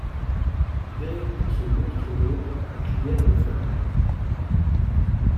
Dès que ce monstre d'ombre à crinière de flamme